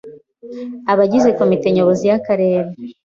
Abagize Komite Nyobozi y’Akarere;